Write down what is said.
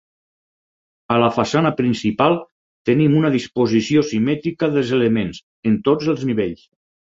A la façana principal tenim una disposició simètrica dels elements, en tots els nivells.